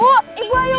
alo sih gara garanya